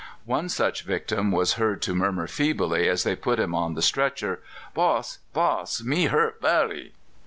] One such victim was heard to murmur feebly as they put him on the stretcher, "Boss, boss, me hurt very."